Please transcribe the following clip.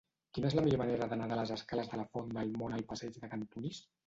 Quina és la millor manera d'anar de les escales de la Font del Mont al passeig de Cantunis?